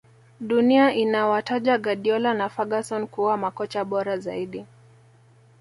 dunia inawataja guardiola na ferguson kuwa makocha bora zaidi